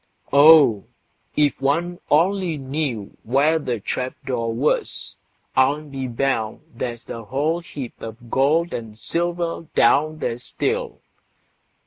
Oh! if one only knew where the trap door was, I'll be bound there's a whole heap of gold and silver down there still!